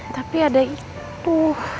tapi ada itu